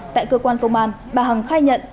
tại cơ quan công an bà hằng khai nhận